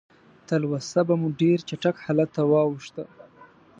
تلوسه به مو ډېر چټک حالت ته واوښته.